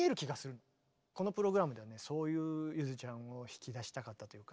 このプログラムではねそういうゆづちゃんを引き出したかったというか。